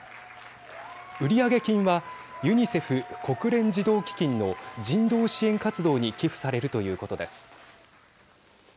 売上金はＵＮＩＣＥＦ＝国連児童基金の人道支援活動に寄付されるということです。